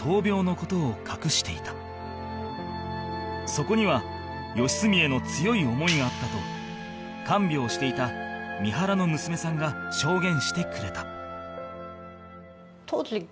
そこには良純への強い思いがあったと看病していた三原の娘さんが証言してくれた